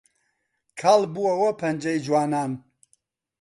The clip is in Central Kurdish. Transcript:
کاڵ بۆوە پەنجەی جوانان